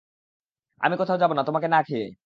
আমি কোথাও যাবো না, তোমাকে না খেয়ে।